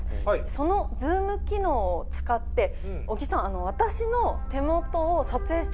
そのズーム機能を使って小木さん私の手元を撮影してみてください。